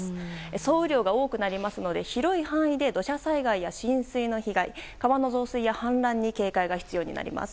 総雨量が多くなりますので広い範囲で土砂災害や浸水の被害川の増水や氾濫に警戒が必要になります。